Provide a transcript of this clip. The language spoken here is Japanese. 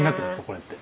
これって。